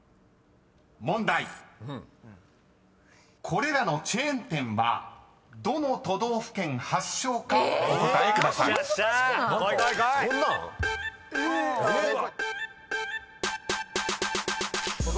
［これらのチェーン店はどの都道府県発祥かお答えください］こいこいこい！